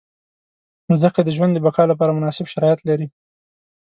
مځکه د ژوند د بقا لپاره مناسب شرایط لري.